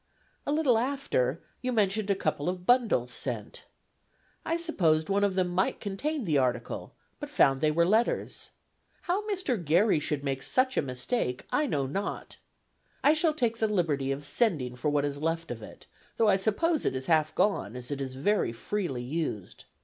A little after, you mentioned a couple of bundles sent. I supposed one of them might contain the article, but found they were letters. How Mr. Garry should make such a mistake I know not. I shall take the liberty of sending for what is left of it, though I suppose it is half gone, as it was very freely used.